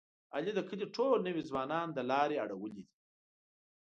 علي د کلي ټول نوی ځوانان د لارې اړولي دي.